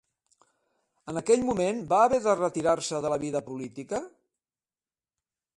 En aquell moment va haver de retirar-se de la vida política?